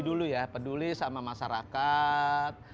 dulu ya peduli sama masyarakat